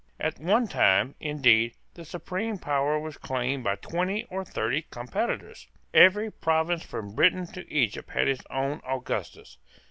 At one time, indeed, the supreme power was claimed by twenty or thirty competitors. Every province from Britain to Egypt had its own Augustus.